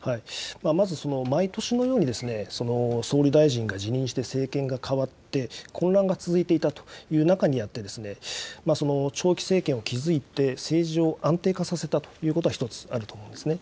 まず、毎年のように総理大臣が辞任して政権が代わって、混乱が続いていたという中にあって、長期政権を築いて政治を安定化させたということは１つ、あると思うんですね。